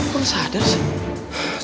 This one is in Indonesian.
kok gak sadar sih